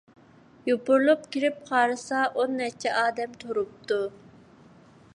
يوپۇرۇلۇپ كىرىپ قارىسا، ئون نەچچە ئادەم تۇرۇپتۇ.